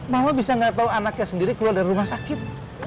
mama bisa nggak tahu anaknya sendiri keluar dari rumah sakit